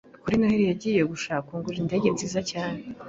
Kuri Noheri yagiye gushaka kungurira indege nziza cyane